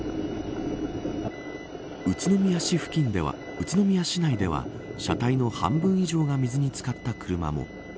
宇都宮市内では車体の半分以上が水に漬かった車も。